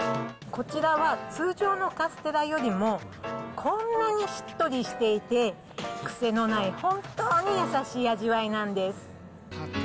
こちらは、通常のカステラよりも、こんなにしっとりしていて、癖のない本当に優しい味わいなんです。